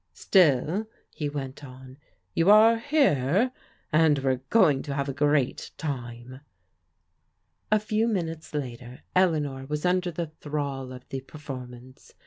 " Still," he went on, " you are here, and we're going to have a great time." A few minutes later Eleanor was under the thrall of the performance.